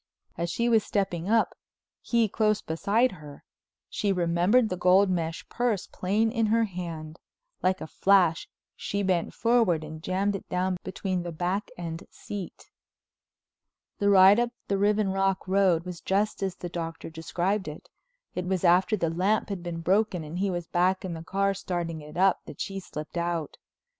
As she was stepping up, he close beside her, she remembered the gold mesh purse plain in her hand. Like a flash she bent forward and jammed it down between the back and seat. The ride up the Riven Rock Road was just as the Doctor described it. It was after the lamp had been broken and he was back in the car starting it up, that she slipped out.